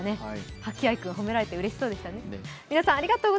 吐合君、褒められてうれしそうでしたね。